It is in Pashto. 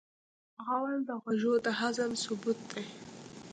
غول د خوړو د هضم ثبوت دی.